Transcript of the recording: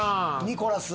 ニコラス。